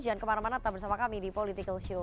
jangan kemana mana tetap bersama kami di political show